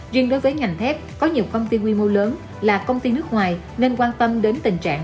riêng đối với ngành thép có nhiều công ty quy mô lớn là công ty nước ngoài nên quan tâm đến tình trạng